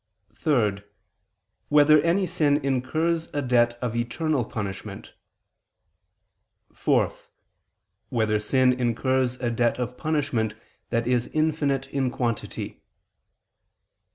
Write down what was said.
(3) Whether any sin incurs a debt of eternal punishment? (4) Whether sin incurs a debt of punishment that is infinite in quantity?